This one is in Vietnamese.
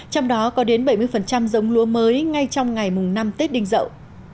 trong đó có đến bảy mươi giống lúa mới ngay trong ngày mùng năm tết đinh dậu